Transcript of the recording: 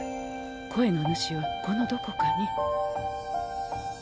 声の主はこのどこかに。